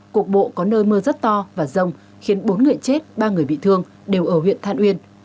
cục bộ có nơi mưa rất to và rông khiến bốn người chết ba người bị thương đều ở huyện than uyên